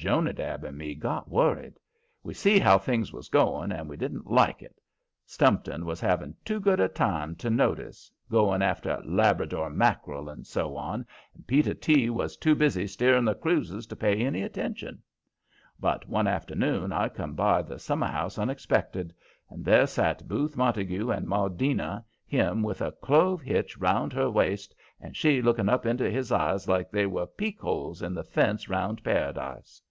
Jonadab and me got worried. We see how things was going, and we didn't like it. Stumpton was having too good a time to notice, going after "Labrador mack'rel" and so on, and Peter T. was too busy steering the cruises to pay any attention. But one afternoon I come by the summerhouse unexpected, and there sat Booth Montague and Maudina, him with a clove hitch round her waist, and she looking up into his eyes like they were peekholes in the fence 'round paradise.